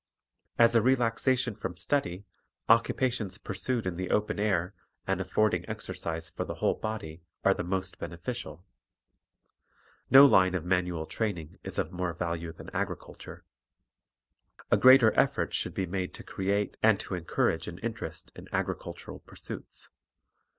As a relaxation from study, occupations pursued in the open air, and affording exercise for the whole body, are the most beneficial. No line of manual training is of more value than agriculture. A greater effort should be made to create and to encourage an interest in agri cultural pursuits.